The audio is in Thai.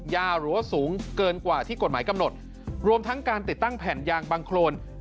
หรือว่าสูงเกินกว่าที่กฎหมายกำหนดรวมทั้งการติดตั้งแผ่นยางบังโครน